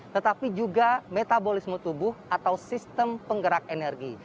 tetapi juga metabolisme tubuh atau sistem penggerak energi